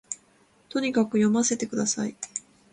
とにかく読ませて下さい